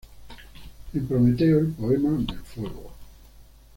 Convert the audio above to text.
En "Prometeo, el Poema del Fuego", Op.